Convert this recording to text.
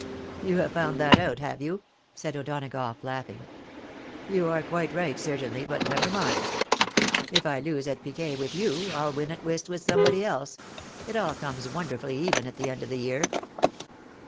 " You have found that out, have you ?" said O'Donagough, laughing. " You are quite right, certainly, but never mind. If I lose at piquet with you, I'll win at whist with somebody else. It all comes wonderfully even at the end of the year."